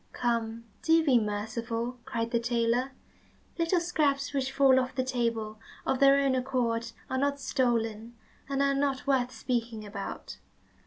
"Come, do be merciful," cried the tailor. "Little scraps which fall off the table of their own accord are not stolen, and are not worth speaking about.